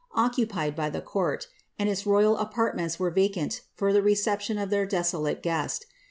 occupied by the court, and its royal t| mentfl were vacant for the reception of their desolate guest.